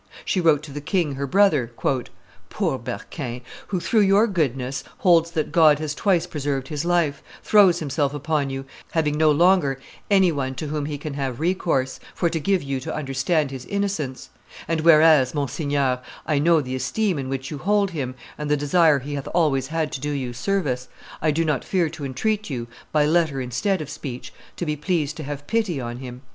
She wrote to the king her brother, "Poor Berquin, who, through your goodness, holds that God has twice preserved his life, throws himself upon you, having no longer any one to whom he can have recourse, for to give you to understand his innocence; and whereas, Monseigneur, I know the esteem in which you hold him and the desire he hath always had to do you service, I do not fear to entreat you, by letter instead of speech, to be pleased to have pity on him.